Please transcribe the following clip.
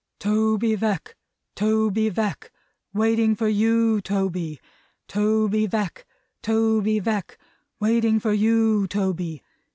"Toby Veck, Toby Veck, waiting for you Toby! Toby Veck, Toby Veck, waiting for you Toby!